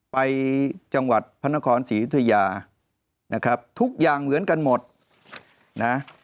ไปจังหวัดพระนครศรียุธยานะครับทุกอย่างเหมือนกันหมดนะ